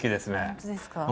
本当ですか？